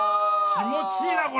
気持ちいいなこれ。